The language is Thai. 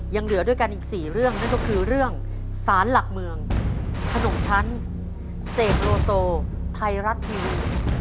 ยังเหลือด้วยกันอีก๔เรื่องนั่นก็คือเรื่องสารหลักเมืองขนมชั้นเสกโลโซไทยรัฐทีวี